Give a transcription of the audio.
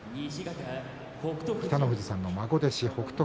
北の富士さんの孫弟子北勝